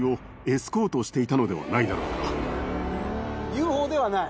ＵＦＯではない？